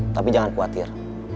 tapi jangan khawatir